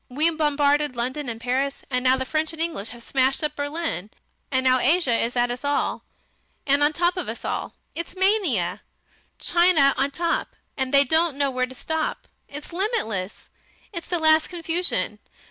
We bombarded London and Paris, and now the French and English have smashed up Berlin. And now Asia is at us all, and on the top of us all.... It's mania. China on the top. And they don't know where to stop. It's limitless. It's the last confusion.